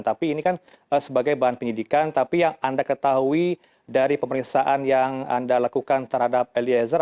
tapi ini kan sebagai bahan penyidikan tapi yang anda ketahui dari pemeriksaan yang anda lakukan terhadap eliezer